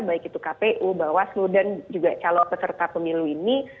baik itu kpu bawaslu dan juga calon peserta pemilu ini